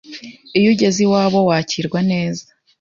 Iyo ugeze iwabo wakirwa neza